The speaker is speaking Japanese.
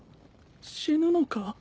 死ぬのか？